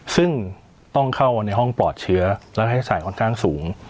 ซึ่งต้องเข้าในห้องปลอดเชื้อแล้วให้ใส่ค่อนข้างสูง